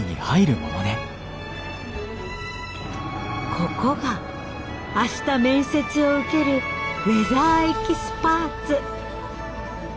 ここが明日面接を受けるウェザーエキスパーツ。